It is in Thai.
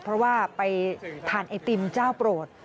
เพราะว่าไปทานไอติมเจ้าโปรด